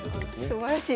すばらしい。